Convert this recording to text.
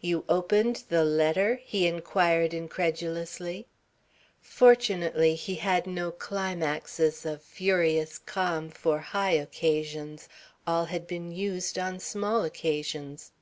"You opened the letter?" he inquired incredulously. Fortunately he had no climaxes of furious calm for high occasions. All had been used on small occasions.